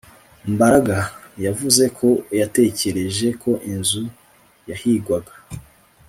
Mbaraga yavuze ko yatekereje ko inzu yahigwaga